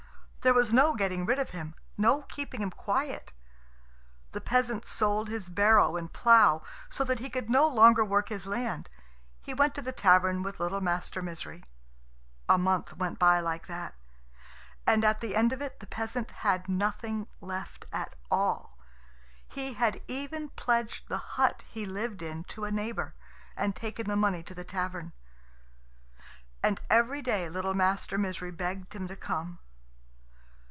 There was no getting rid of him, no keeping him quiet. The peasant sold his barrow and plough, so that he could no longer work his land. He went to the tavern with little Master Misery. A month went by like that, and at the end of it the peasant had nothing left at all. He had even pledged the hut he lived in to a neighbour, and taken the money to the tavern. And every day little Master Misery begged him to come.